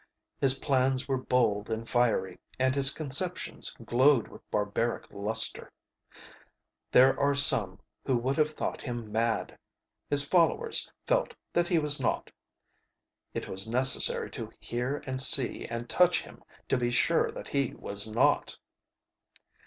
His plans were bold and fiery, and his conceptions glowed with barbaric lustre. There are some who would have thought him mad. His followers felt that he was not. It was necessary to hear and see and touch him to be sure that he was not.